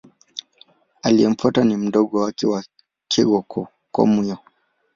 Aliyemfuata ni mdogo wake Go-Komyo.